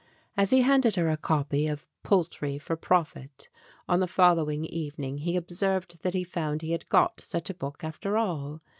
As he handed her a copy of "Poultry for Profit" on the following evening, he observed that he found he had got such a book, after all.